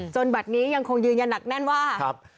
จนแบบนี้ยังคงยืนอย่างหลักแน่นว่า